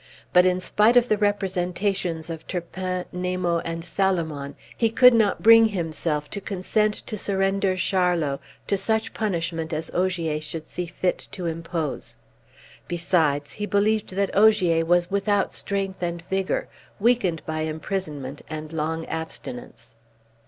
But, in spite of the representations of Turpin, Namo, and Salomon, he could not bring himself to consent to surrender Charlot to such punishment as Ogier should see fit to impose. Besides, he believed that Ogier was without strength and vigor, weakened by imprisonment and long abstinence.